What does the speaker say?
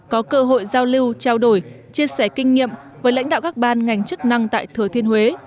có cơ hội giao lưu trao đổi chia sẻ kinh nghiệm với lãnh đạo các ban ngành chức năng tại thừa thiên huế